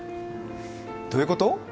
どういうこと？